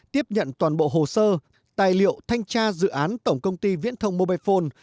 tiếp nhận toàn bộ hồ sơ tài liệu thanh tra dự án tổng công ty viễn thông mobifone